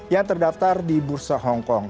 yang terdaftar di bursa hong kong